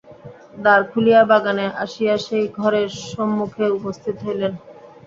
দ্বার খুলিয়া বাগানে আসিয়া সেই ঘরের সম্মুখে উপস্থিত হইলেন।